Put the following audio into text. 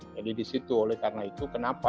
di situ oleh karena itu kenapa